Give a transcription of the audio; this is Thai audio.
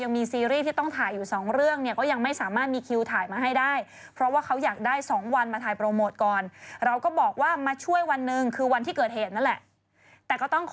นี่น่าสนตรงเลยตอบได้กับพี่ว่ามาดูยูทูปจะสนุกกับการที่อ่านคอมเมนต์มาก